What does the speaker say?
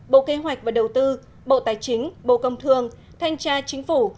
bộ kế hoạch và đầu tư bộ tài chính bộ công thương thanh tra chính phủ